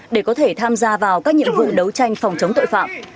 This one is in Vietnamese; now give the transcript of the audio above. để có thể tham gia vào các nhiệm vụ đấu tranh phòng chống tội phạm